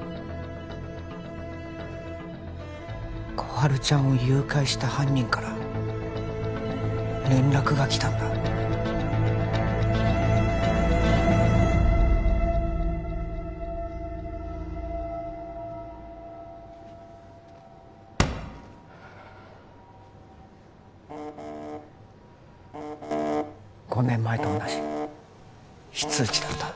心春ちゃんを誘拐した犯人から連絡が来たんだはあっ５年前と同じ非通知だった